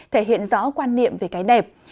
thể hiện rõ quan niệm về cái đẹp